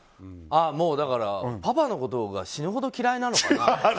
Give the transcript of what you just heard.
もうだからパパのことが死ぬほど嫌いなのかな。